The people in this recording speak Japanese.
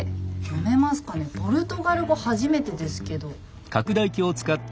読めますかねポルトガル語初めてですけど。